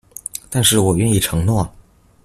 但是我願意承諾